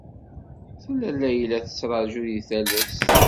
Tella Layla tettṛaju deg talest.